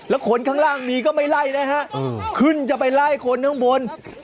แล้วคนข้างล่างมีก็ไม่ไล่นะฮะขึ้นจะไปไล่คนข้างบน